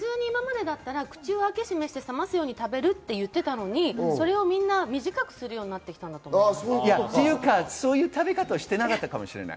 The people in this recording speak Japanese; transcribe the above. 普通に今までだと口を開け閉めして冷ますようにして食べると言ってたのにみんな短くするようになってきたんだと思います。